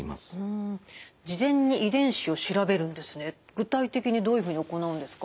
具体的にどういうふうに行うんですか？